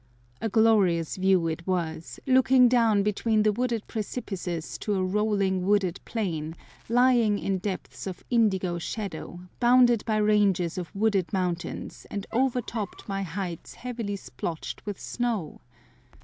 A glorious view it was, looking down between the wooded precipices to a rolling wooded plain, lying in depths of indigo shadow, bounded by ranges of wooded mountains, and overtopped by heights heavily splotched with snow!